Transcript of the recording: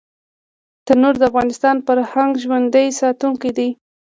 تنور د افغان فرهنګ ژوندي ساتونکی دی